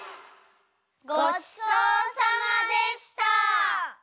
ごちそうさまでした！